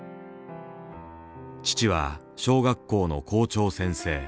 父は小学校の校長先生。